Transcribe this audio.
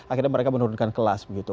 akhirnya mereka menurunkan kelas begitu